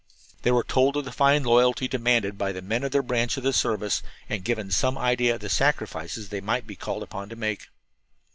They were told of the fine loyalty demanded of men in their branch of the service, and given some idea of the sacrifices they might be called upon to make.